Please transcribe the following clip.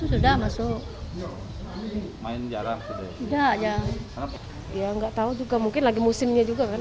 ya nggak tahu juga mungkin lagi musimnya juga kan